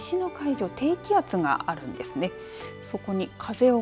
そして九州の西の海上低気圧があるんですね。